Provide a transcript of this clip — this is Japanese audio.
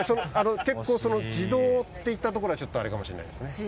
結構その「自動」って言ったところがちょっとあれかもしれないですね。